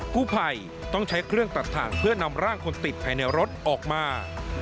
ผู้ภัยต้องใช้เครื่องตัดถ่างเพื่อนำร่างคนติดภายในรถออกมา